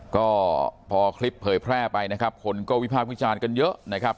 ก็พอคลิปเผยแพร่ไปนะครับคนก็วิพากษ์วิจารณ์กันเยอะนะครับ